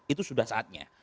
itu sudah saatnya